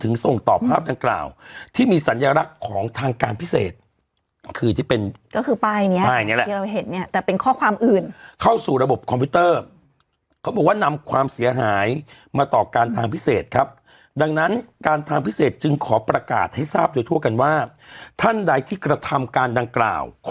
ส่งต่อภาพดังกล่าวที่มีสัญลักษณ์ของทางการพิเศษคือที่เป็นก็คือป้ายเนี้ยป้ายนี้แหละที่เราเห็นเนี่ยแต่เป็นข้อความอื่นเข้าสู่ระบบคอมพิวเตอร์เขาบอกว่านำความเสียหายมาต่อการทางพิเศษครับดังนั้นการทางพิเศษจึงขอประกาศให้ทราบอยู่ทั่วกันว่าท่านใดที่กระทำการดังกล่าว